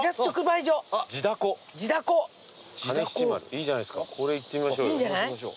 いいじゃないですかこれ行ってみましょうよ。